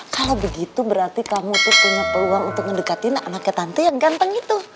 kalau begitu berarti kamu tuh punya peluang untuk mendekatin anak anaknya tante yang ganteng itu